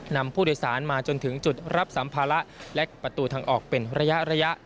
นำผู้โดยสารมาจนถึงจุดรับสัมภาระและประตูทางออกเป็นระยะ